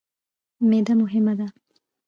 معده مهمه ده.